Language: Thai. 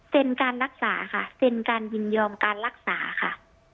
เป็นการรักษาค่ะเป็นการยินยอมการรักษาค่ะ